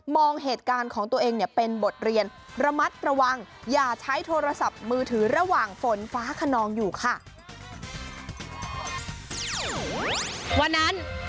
เหตุการณ์ของตัวเองเนี่ยเป็นบทเรียนระมัดระวังอย่าใช้โทรศัพท์มือถือระหว่างฝนฟ้าขนองอยู่ค่ะ